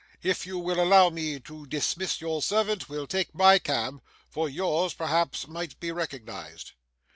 If you will allow me to dismiss your servant, we'll take my cab; for yours, perhaps, might be recognised.